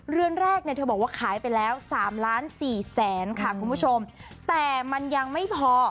เรือนแรกเนี่ยเธอบอกว่าขายไปแล้วสามล้านสี่แสนค่ะคุณผู้ชมแต่มันยังไม่พอ